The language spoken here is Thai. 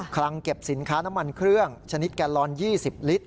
คลังเก็บสินค้าน้ำมันเครื่องชนิดแกลลอน๒๐ลิตร